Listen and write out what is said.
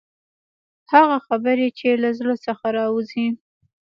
هغه خبرې چې له زړه څخه راوځي.